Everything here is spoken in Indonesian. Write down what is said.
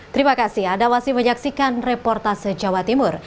terima kasih ada wasi menyaksikan reportase jawa timur